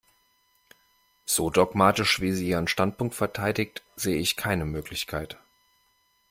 So dogmatisch, wie sie ihren Standpunkt verteidigt, sehe ich keine Möglichkeit.